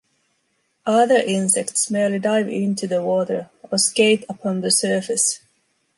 Other insects merely dive into the water or skate upon the surface.